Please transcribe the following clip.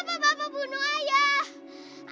kenapa bapak bunuh ayah